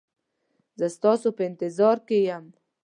زه ستاسو په انتظار کې یم